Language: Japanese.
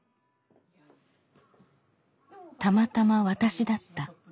「たまたま私だった」。